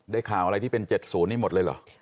ข่าวอะไรที่เป็น๗๐นี่หมดเลยเหรอ